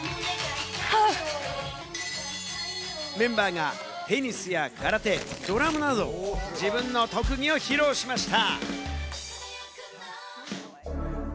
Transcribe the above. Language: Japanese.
メンバーがテニスや空手、ドラムなど、自分の特技を披露しました。